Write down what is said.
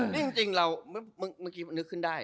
นี่จริงเราเมื่อกี้นึกขึ้นได้